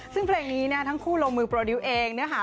ซึ่งเพลงนี้เนี่ยทั้งคู่ลงมือโปรดิวต์เองนะคะ